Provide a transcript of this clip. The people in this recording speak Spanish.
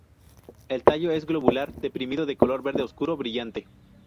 El tallo es globular deprimido, de color verde oscuro brillante.